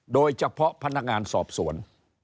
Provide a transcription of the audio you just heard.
โดยเฉพาะพนักงานสอบสวน